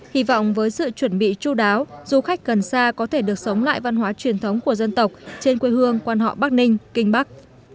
hy vọng với sự chuẩn bị chú đáo du khách gần xa có thể được sống lại văn hóa truyền thống của dân tộc trên quê hương quan họ bắc ninh kinh bắc